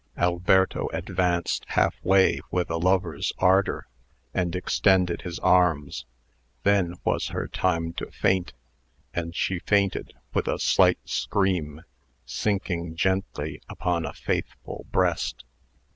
Alberto advanced halfway with a lover's ardor, and extended his arms. Then was her time to faint; and she fainted with a slight scream, sinking gently upon a faithful breast.